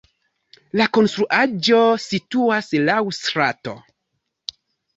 La konstruaĵo situas laŭ strato.